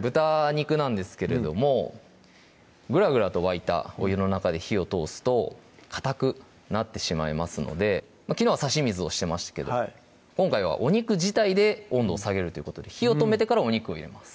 豚肉なんですけれどもグラグラと沸いたお湯の中で火を通すとかたくなってしまいますので昨日は差し水をしてましたけど今回はお肉自体で温度を下げるということで火を止めてからお肉を入れます